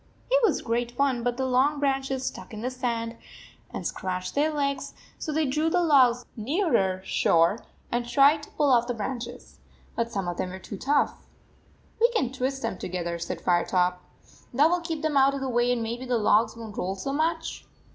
It was great fun, but the long branches stuck in the sand and scratched their legs, so they drew the logs nearer shore and 129 tried to pull off the branches. But some of them were too tough. " We can twist them together," said Fire top. "That will keep them out of the way and maybe the logs won t roll so much."